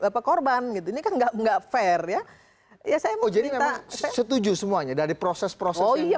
pekorban gitu ini kan enggak enggak fair ya ya saya mau jadi setuju semuanya dari proses proses oh iya